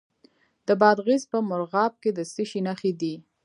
د بادغیس په مرغاب کې د څه شي نښې دي؟